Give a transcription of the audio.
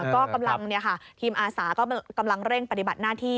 ก็กำลังทีมอาสาก็กำลังเร่งปฏิบัติหน้าที่